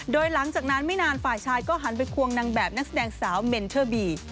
โดยหลังจากนั้นไม่นานฝ่ายชายก็หันไปควงนางแบบนักแสดงสาวเมนเทอร์บี